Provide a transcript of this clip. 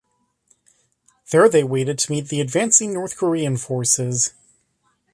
There they waited to meet the advancing North Korean forces.